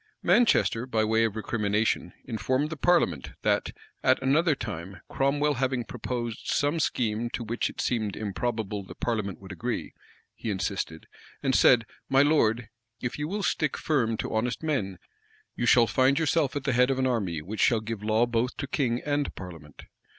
[*]* Clarendon, vol. v. p. 561. Manchester, by way of recrimination, informed the parliament, that, at another time, Cromwell having proposed some scheme to which it seemed improbable the parliament would agree, he insisted, and said, "My lord, if you will stick firm to honest men, you shall find yourself at the head of an army which shall give law both to king and parliament."